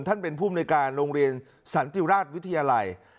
ท่านเป็นผู้มนุยการโรงเรียนสันติราชวิทยาลัย